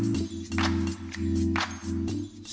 pembangunan amonia hijau dan biru